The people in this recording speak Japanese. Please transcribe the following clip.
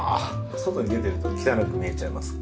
外に出てると汚く見えちゃいますので。